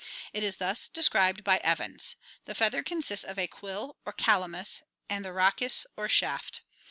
It is thus described by Evans: The feather consists of a quill or calamus and the rhachis or shaft.